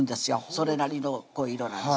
それなりの色なんです